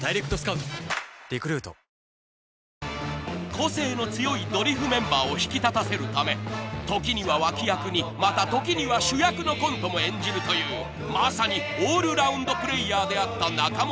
［個性の強いドリフメンバーを引き立たせるため時には脇役にまた時には主役のコントも演じるというまさにオールラウンドプレイヤーであった仲本工事さん］